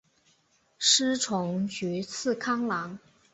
师从菊池康郎。